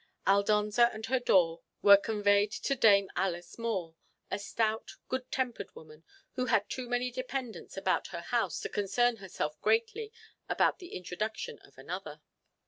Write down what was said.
Aldonza and her daw were conveyed to Dame Alice More, a stout, good tempered woman, who had too many dependents about her house to concern herself greatly about the introduction of another.